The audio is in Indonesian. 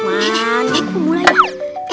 eh kok mulai